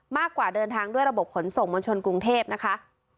กว่าเดินทางด้วยระบบขนส่งมวลชนกรุงเทพนะคะ